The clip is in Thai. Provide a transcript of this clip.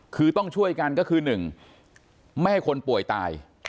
คือต้องช่วยกันก็คือ๑ไม่ให้คนป่วยตาย